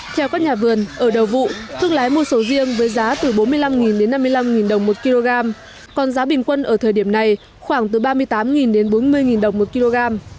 theo các nhà vườn ở đầu vụ thương lái mua sầu riêng với giá từ bốn mươi năm đến năm mươi năm đồng một kg còn giá bình quân ở thời điểm này khoảng từ ba mươi tám đến bốn mươi đồng một kg